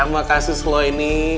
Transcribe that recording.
terima kasih slow ini